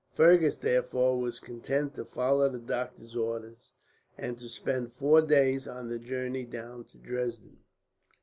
Fergus, therefore, was content to follow the doctor's orders, and to spend four days on the journey down to Dresden.